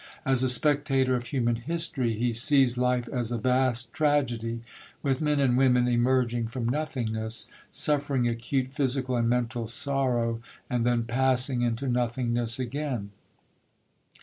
As a spectator of human history, he sees life as a vast tragedy, with men and women emerging from nothingness, suffering acute physical and mental sorrow, and then passing into nothingness again.